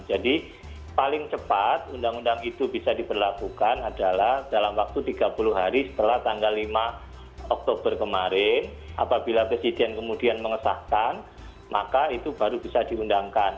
jadi paling cepat undang undang itu bisa diberlakukan adalah dalam waktu tiga puluh hari setelah tanggal lima oktober kemarin apabila presiden kemudian mengesahkan maka itu baru bisa diundangkan